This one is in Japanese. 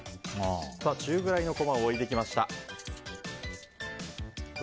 中ぐらいのコマを置きました。